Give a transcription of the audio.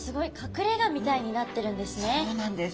そうなんです。